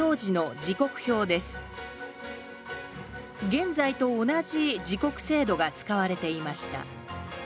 現在と同じ時刻制度が使われていました